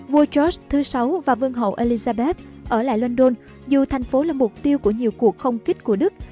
vua jors thứ sáu và vương hậu alizabeth ở lại london dù thành phố là mục tiêu của nhiều cuộc không kích của đức